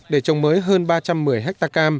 để trồng mới hơn ba trăm một mươi hectare cam